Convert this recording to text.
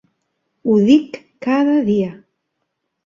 Ho dic cada dia!